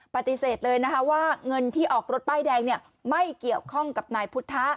ปฏิเสธเลยนะคะว่าเงินที่ออกรถป้ายแดงไม่เกี่ยวข้องกับนายพุทธะ